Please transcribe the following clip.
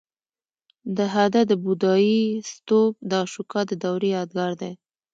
د هده د بودایي ستوپ د اشوکا د دورې یادګار دی